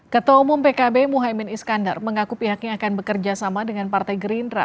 ketua umum pkb muhaymin iskandar mengaku pihaknya akan bekerja sama dengan partai gerindra